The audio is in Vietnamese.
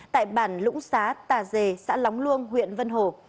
tại bản lũng xá tà dề xã lóng luông huyện vân hồ